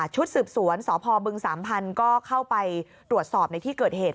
ชุดสืบสวนสพบึงสามพันธุ์ก็เข้าไปตรวจสอบในที่เกิดเหตุ